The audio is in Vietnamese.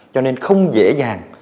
cho nên không dễ dàng